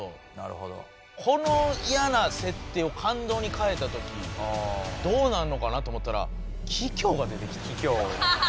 このイヤな設定を感動にかえたときどうなるのかなと思ったらキキョウが出てきた。